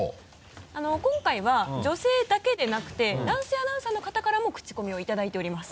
今回は女性だけでなくて男性アナウンサーの方からもクチコミをいただいております。